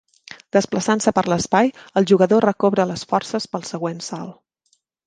Desplaçant-se per l"espai, el jugador recobra les forces pel següent salt.